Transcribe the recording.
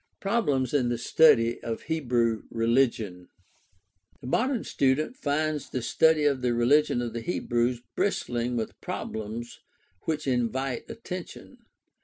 Problems in the study of Hebrew religion. — The modern student finds the study of the religion of the Hebrews bristling with problems which invite attention.